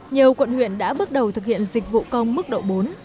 nhiều quận huyện đã bước đầu thực hiện dịch vụ công mức độ bốn